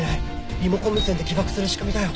リモコン無線で起爆する仕組みだよ。